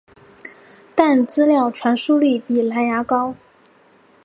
但资料传输率比蓝牙高。